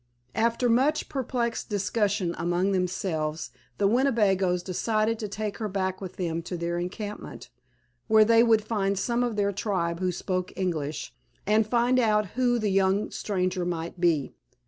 After much perplexed discussion among themselves the Winnebagoes decided to take her back with them to their encampment, where they would find some of their tribe who spoke English, and find out who the young stranger might be.